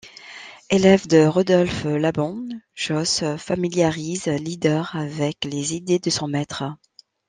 Elève de Rudolf Laban, Jooss familiarise Leeder avec les idées de son maître.